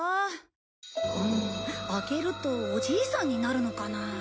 うーん開けるとおじいさんになるのかな？